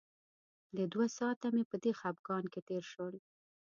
د دوه ساعته مې په دې خپګان کې تېر شول.